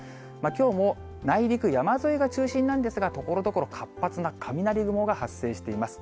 きょうも内陸、山沿いが中心なんですが、ところどころ活発な雷雲が発生しています。